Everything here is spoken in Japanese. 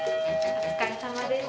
お疲れさまでした。